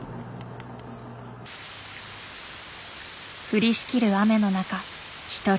降りしきる雨の中一人。